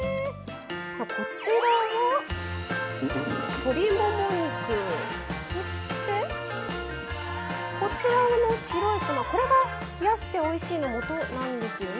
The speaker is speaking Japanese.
こちらは鶏もも肉そしてこちらの白い粉これが冷やしておいしいのもとなんですよね。